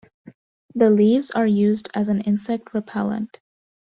The leaves are used as an insect repellent.